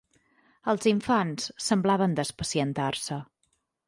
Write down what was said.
...els infants semblaven despacientar-se